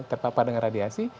terpapar dengan radiasi